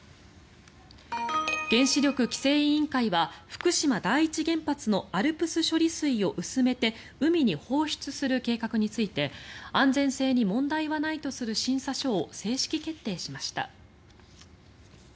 原子力規制委員会は福島第一原発のアルプス処理水を薄めて海に放出する計画について安全性に問題はないとする審査書を正式決定しました。